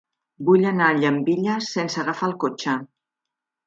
Vull anar a Llambilles sense agafar el cotxe.